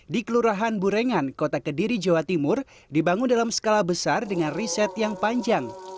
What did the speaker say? di kelurahan burengan kota kediri jawa timur dibangun dalam skala besar dengan riset yang panjang